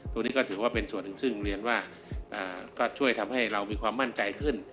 ตรงนี้ก็ถือว่าเป็นส่วนหนึ่งซึ่งเรียนว่าก็ช่วยทำให้เรามีความมั่นใจขึ้น